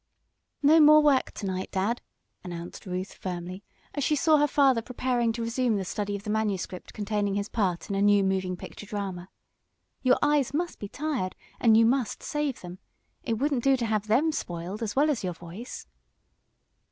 "No more work to night, Dad!" announced Ruth, firmly, as she saw her father preparing to resume the study of the manuscript containing his part in a new moving picture drama. "Your eyes must be tired, and you must save them. It won't do to have them spoiled, as well as your voice."